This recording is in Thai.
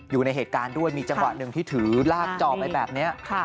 อยู่ในเหตุการณ์ด้วยมีจังหวะหนึ่งที่ถือลากจอไปแบบนี้